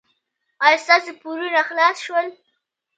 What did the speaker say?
ایا ستاسو پورونه خلاص شول؟